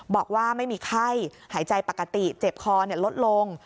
บอกว่าไม่มีไข้หายใจปกติเจ็บคอลดลง